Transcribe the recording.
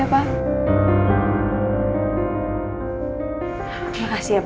ambil gaya ke masturbasi